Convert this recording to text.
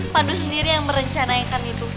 pandu sendiri yang merencanakan itu